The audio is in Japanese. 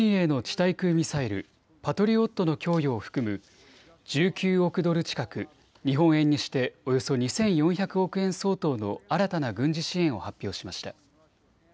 対空ミサイルパトリオットの供与を含む１９億ドル近く日本円にしておよそ２４００億円相当の新たな軍事支援を発表しました。